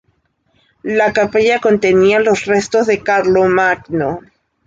La capilla contenía los restos de Carlomagno.